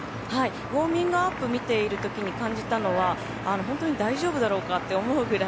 ウオーミングアップを見ているときに感じたのは本当に大丈夫だろうかって思うぐらい。